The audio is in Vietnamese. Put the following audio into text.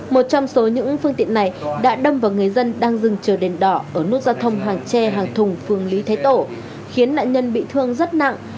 một trong số những phương tiện này đã đâm vào người dân đang dừng chờ đèn đỏ ở nút giao thông hàng tre hàng thùng phường lý thái tổ khiến nạn nhân bị thương rất nặng